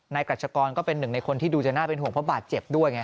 กรัชกรก็เป็นหนึ่งในคนที่ดูจะน่าเป็นห่วงเพราะบาดเจ็บด้วยไง